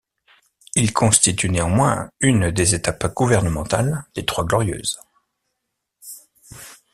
Il constitue néanmoins une des étapes gouvernementales des Trois glorieuses.